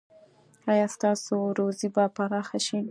ایا ستاسو روزي به پراخه شي؟